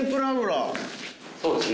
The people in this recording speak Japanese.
そうですね。